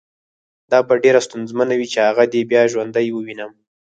دا به ډېره ستونزمنه وي چې هغه دې بیا ژوندی ووینم